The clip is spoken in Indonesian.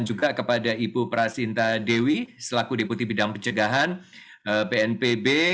dan juga kepada ibu prasinta dewi selaku deputi bidang pencegahan pnpb